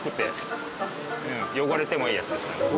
汚れてもいいやつですか？